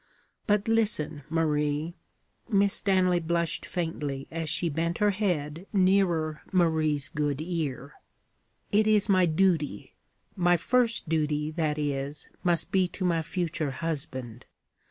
But listen, Marie.' Miss Stanley blushed faintly as she bent her head nearer Marie's good ear. 'It is my duty. My first duty, that is, must be to my future husband.